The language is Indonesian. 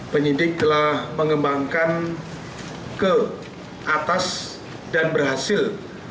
penyidik telah mengembangkan ke atas dan berhasil